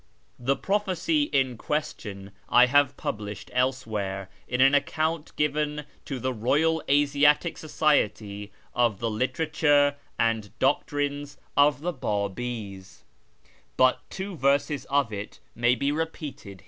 The prophecy in question I have published elsewhere ^ in an account given to the Eoyal Asiatic Society of the Literature and Doctrines of the Babis, ^ See above, pp. 301 2.